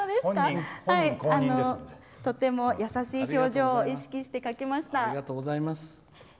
とても優しい表情を意識して描きました。